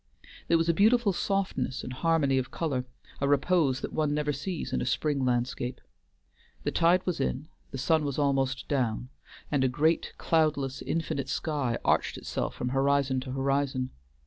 There was a beautiful softness and harmony of color, a repose that one never sees in a spring landscape. The tide was in, the sun was almost down, and a great, cloudless, infinite sky arched itself from horizon to horizon.